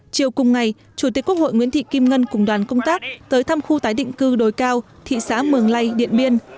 chiều cùng ngày chủ tịch quốc hội nguyễn thị kim ngân cùng đoàn công tác tới thăm khu tái định cư đồi cao thị xã mường lây điện biên